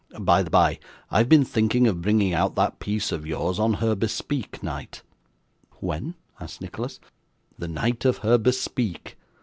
By the bye, I've been thinking of bringing out that piece of yours on her bespeak night.' 'When?' asked Nicholas. 'The night of her bespeak.